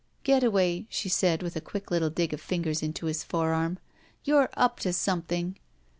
"Getaway," she said, with a quick little dig of fingers into his forearm, "you're up to something!"